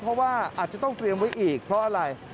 เพราะว่าอาจจะต้องเตรียมไว้อีกเพราะอะไร